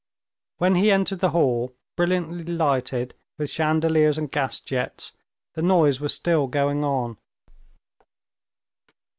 When he entered the hall, brilliantly lighted with chandeliers and gas jets, the noise was still going on.